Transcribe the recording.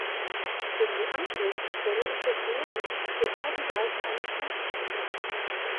In die Anschlussstelle integriert ist zu beiden Seiten eine Tankstelle.